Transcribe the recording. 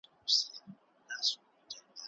حامله میندې باید خپل روغتیا ته ځانګړې پاملرنه وکړي.